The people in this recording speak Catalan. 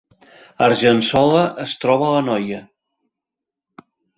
Argençola es troba a l’Anoia